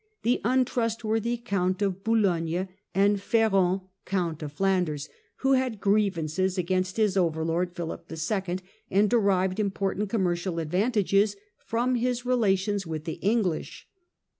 the untrustworthy Count of Boulogne, and Ferrand Count of Flanders, who had grievances against his over lord Philip II., and derived important commercial advantages from his relations with the English.